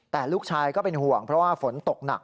แต่ลูกชายก็เป็นห่วงเพราะว่าฝนตกหนัก